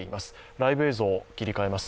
ライブ映像、切り替えます。